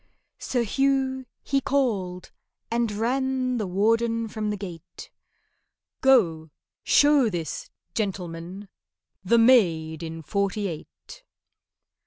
SIR HUGH he called—and ran The warden from the gate: "Go, show this gentleman The maid in Forty eight."